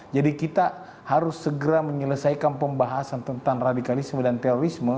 kita harus segera menyelesaikan pembahasan tentang radikalisme dan terorisme